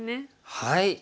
はい。